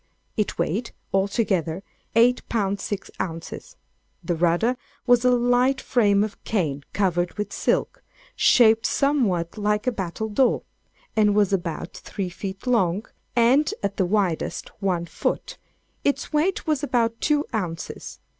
It weighed, altogether, eight pounds six ounces. The rudder was a light frame of cane covered with silk, shaped somewhat like a battle door, and was about three feet long, and at the widest, one foot. Its weight was about two ounces.